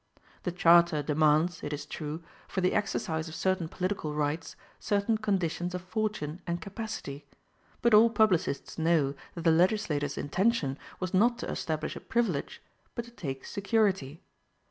The charter demands, it is true, for the exercise of certain political rights, certain conditions of fortune and capacity; but all publicists know that the legislator's intention was not to establish a privilege, but to take security.